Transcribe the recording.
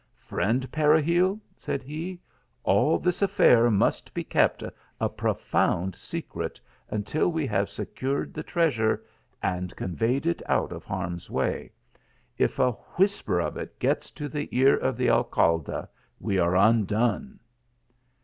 " Friend Peregil," said he, " all this affair must be kept a profound secret until we have secured the treasure and conveyed it out of harm s way. If a whisper of it gets to the ear of the Alcalde we are uudone